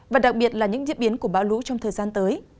và đặc biệt là những diễn biến của bão lũ trong thời gian tới